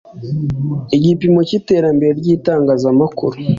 igipimo cy iterambere ry itangazamamakuru